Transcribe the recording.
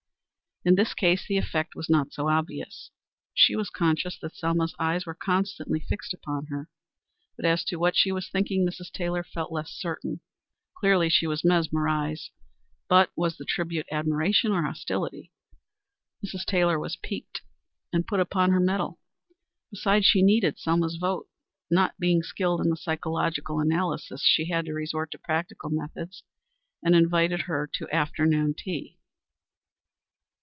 In this case the effect was not so obvious. She was conscious that Selma's eyes were constantly fixed upon her, but as to what she was thinking Mrs. Taylor felt less certain. Clearly she was mesmerized, but was the tribute admiration or hostility? Mrs. Taylor was piqued, and put upon her metal. Besides she needed Selma's vote. Not being skilled in psychological analyses, she had to resort to practical methods, and invited her to afternoon tea.